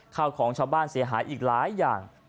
ข้าวของชาวบ้านเสียหายอีกหลายอย่าง